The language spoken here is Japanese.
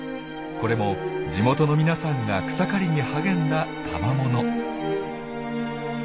これも地元の皆さんが草刈りに励んだたまもの。